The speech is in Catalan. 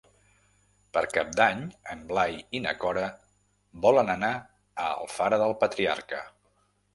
Per Cap d'Any en Blai i na Cora volen anar a Alfara del Patriarca.